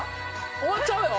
終わっちゃうよ」